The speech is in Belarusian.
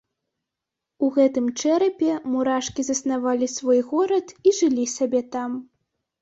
У гэтым чэрапе мурашкі заснавалі свой горад і жылі сабе там.